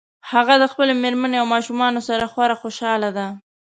هغه د خپلې مېرمنې او ماشومانو سره خورا خوشحاله ده